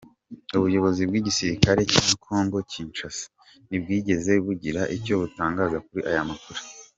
Ubuyobozi bw’igisirikare cya Congo Kinshasa, ntibwigeze bugira icyo butangaza kuri aya makuru.